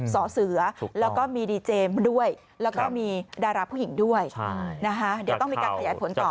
สอเสือแล้วก็มีดีเจมาด้วยแล้วก็มีดาราผู้หญิงด้วยนะคะเดี๋ยวต้องมีการขยายผลต่อ